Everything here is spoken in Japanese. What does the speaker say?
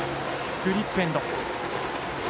グリップエンド。